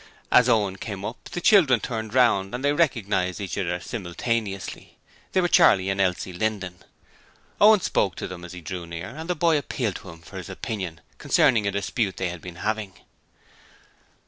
As Owen came up the children turned round and they recognized each other simultaneously. They were Charley and Elsie Linden. Owen spoke to them as he drew near and the boy appealed to him for his opinion concerning a dispute they had been having.